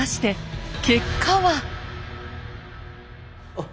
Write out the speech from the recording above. あっ。